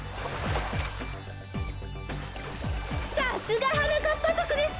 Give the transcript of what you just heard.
さすがはなかっぱぞくです。